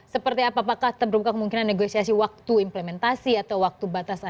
seperti apakah terbuka kemungkinan negosiasi waktu implementasi atau waktu batas